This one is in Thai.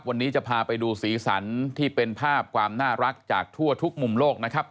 วันนี้จะพาไปดูสีสันที่เป็นภาพความน่ารักจากทั่วทุกมุมโลกนะครับ